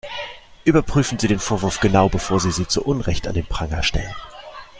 Überprüfen Sie den Vorwurf genau, bevor Sie sie zu Unrecht an den Pranger stellen.